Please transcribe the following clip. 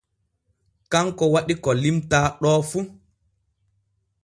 Kanko waɗi ko limtaa ɗo fu.